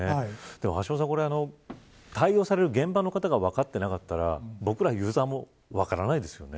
でも橋下さん、対応される現場の方が分かっていなかったら僕らユーザーも分からないですよね。